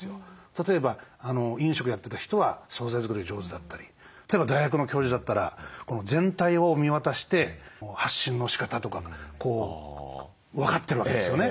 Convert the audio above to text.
例えば飲食やってた人は総菜作りが上手だったり例えば大学の教授だったら全体を見渡して発信のしかたとか分かってるわけですよね。